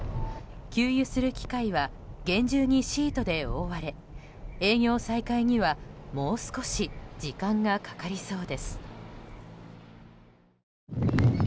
給油する機械は厳重にシートで覆われ営業再開にはもう少し時間がかかりそうです。